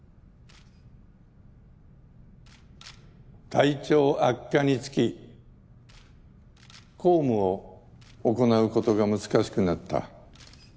体調悪化につき公務を行なうことが難しくなった。